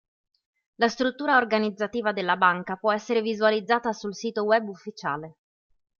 La struttura organizzativa della banca può essere visualizzata sul sito web ufficiale.